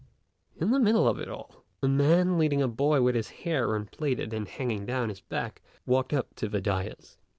In the middle of it all, a man leading a boy with his hair unplaited and hanging down his back, walked up to the dais.